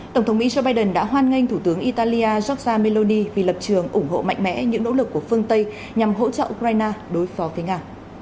tổng thống mỹ joe biden đã hoan nghênh thủ tướng italia giorgia meloni vì lập trường ủng hộ mạnh mẽ những nỗ lực của phương tây nhằm hỗ trợ ukraine đối phó với nga